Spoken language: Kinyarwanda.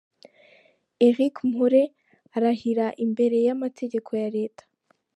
Eric Mpore arahira imbere y'amategeko ya Leta.